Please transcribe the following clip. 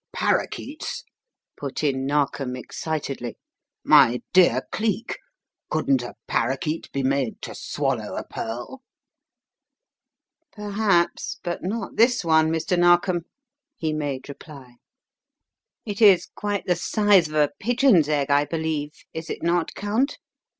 "Parakeets?" put in Narkom excitedly. "My dear Cleek, couldn't a parakeet be made to swallow a pearl?" "Perhaps; but not this one, Mr. Narkom," he made reply. "It is quite the size of a pigeon's egg, I believe; is it not, Count?"